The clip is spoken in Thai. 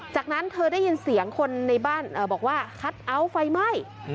จากนั้นเธอได้ยินเสียงคนในบ้านเอ่อบอกว่าไฟไหม้อืม